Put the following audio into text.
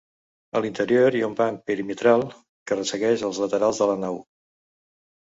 A l'interior hi ha un banc perimetral que ressegueix els laterals de la nau.